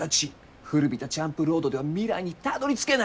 古びたチャンプロードでは未来にたどりつけない。